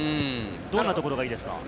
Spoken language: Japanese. どんなところがいいですか？